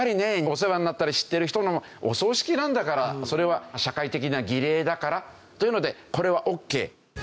お世話になったり知ってる人のお葬式なんだからそれは社会的な儀礼だからというのでこれはオッケー。